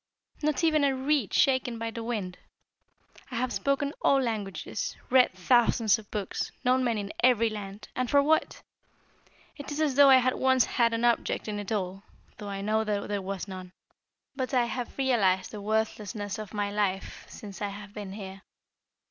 Not even a reed shaken by the wind! I have spoken all languages, read thousands of books, known men in every land and for what? It is as though I had once had an object in it all, though I know that there was none. But I have realised the worthlessness of my life since I have been here.